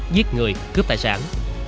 giết người cướp tài sản